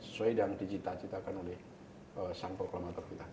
sesuai dengan yang diciptakan oleh sang proklamator kita